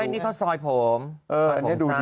นี่เค้าเปิดหน้า